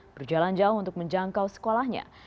berjalan jauh untuk menjangkau sekolahnya